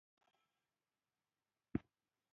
کله چې پیسې ورکړې نو ورک شي او په غرونو کې یې پرېږدي.